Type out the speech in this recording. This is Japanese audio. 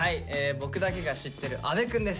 僕だけが知ってる阿部くんです。